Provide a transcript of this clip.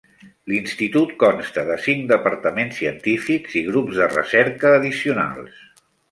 L'institut consta de cinc departaments científics i grups de recerca addicionals.